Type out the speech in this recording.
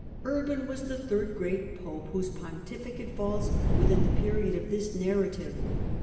Urban was the third great pope whose pontificate falls within the period of this narrative.